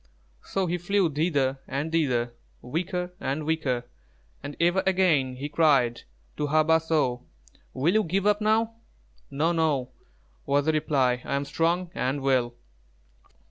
So he flew thither and thither, weaker and weaker, and ever and again he cried to Hā bāh so: "Will you give up, now?" "No, no," was the reply; "I am strong and well."